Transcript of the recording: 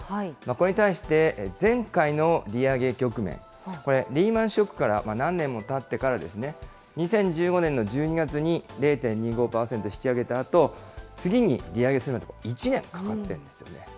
これに対して前回の利上げ局面、これ、リーマンショックから何年もたってから、２０１５年の１２月に、０．２５％引き上げたあと、次に利上げするのに１年かかっているんですね。